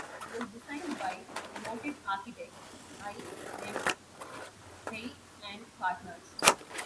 It was designed by noted architects I. M. Pei and Partners.